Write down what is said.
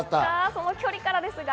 その距離からですが。